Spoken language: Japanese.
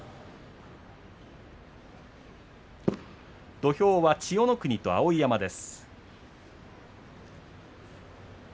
土俵は千代の国と碧山です。